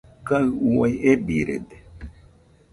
Kaɨ uai ebirede.